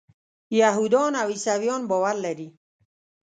یهودان او عیسویان باور لري.